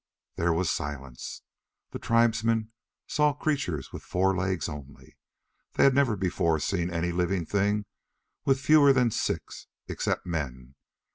There was silence. The tribesmen saw creatures with four legs only. They had never before seen any living thing with fewer than six, except men.